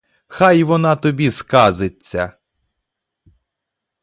Хай вона тобі сказиться!